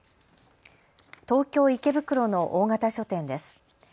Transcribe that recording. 東京池袋の大型書店です。